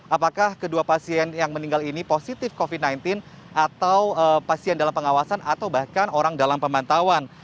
apakah kedua pasien yang meninggal ini positif covid sembilan belas atau pasien dalam pengawasan atau bahkan orang dalam pemantauan